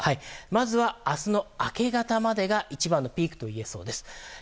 まず明日の明け方までが一番のピークという予想です。